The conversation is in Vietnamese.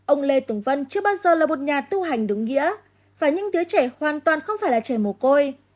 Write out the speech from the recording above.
ông lê tùng vân chưa bao giờ là một nhà tu hành đúng nghĩa và những đứa trẻ hoàn toàn không phải là trẻ mồ côi